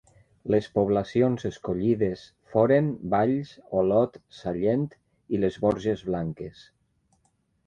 Les poblacions escollides foren Valls, Olot, Sallent i les Borges Blanques.